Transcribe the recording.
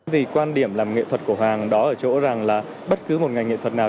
vì quan điểm làm nghệ thuật của hoàng đó ở chỗ rằng là bất cứ một ngành nghệ thuật nào